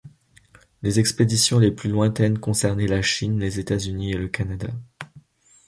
Les expéditions les plus lointaines concernaient la Chine, les États-Unis et le Canada.